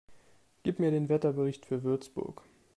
Gib mir den Wetterbericht für Würzburg